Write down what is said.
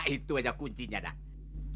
itu aja kuncinya dah